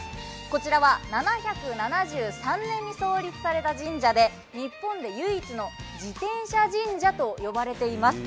こちらは７７３年に創立された神社で日本で唯一の自転車神社と呼ばれています。